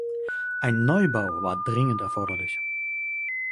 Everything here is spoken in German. Ein Neubau war dringend erforderlich.